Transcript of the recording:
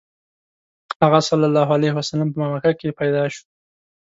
هغه ﷺ په مکه کې پیدا شو.